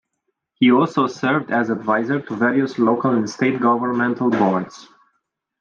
He also served as advisor to various local and state governmental boards.